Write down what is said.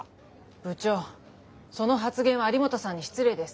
部長その発言は有本さんに失礼です。